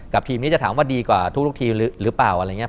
กับทีมนี้จะถามว่าดีกว่าทุกลูกทีหรือเปล่า